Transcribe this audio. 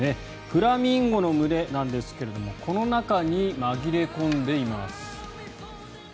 フラミンゴの群れなんですけれどこの中に紛れ込んでいます。